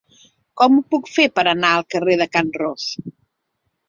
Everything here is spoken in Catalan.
Com ho puc fer per anar al carrer de Can Ros?